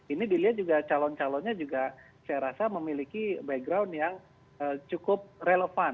ini dilihat juga calon calonnya juga saya rasa memiliki background yang cukup relevan